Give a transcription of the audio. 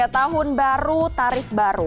tahun baru tarif baru